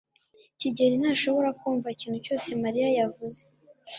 Kigeri ntashobora kumva ikintu cyose Mariya yavuze.